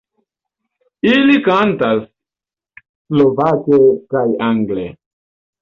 Ili kantas slovake kaj angle.